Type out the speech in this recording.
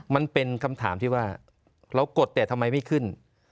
มันเป็นคำถามที่ว่าเรากดแต่ทำไมไม่ขึ้น